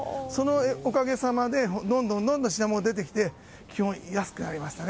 おかげさまでどんどん品物出てきて基本、安くなりましたね。